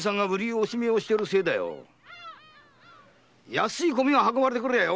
安い米が運ばれてくりゃ